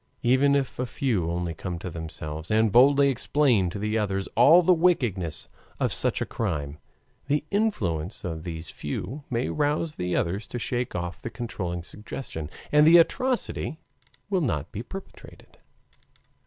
Even if a few only come to themselves, and boldly explain to the others all the wickedness of such a crime, the influence of these few may rouse the others to shake off the controlling suggestion, and the atrocity will not be perpetrated.